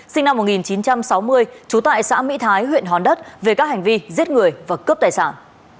sinh năm một nghìn chín trăm sáu mươi trú tại xã mỹ thái huyện hòn đất về các hành vi giết người và cướp tài sản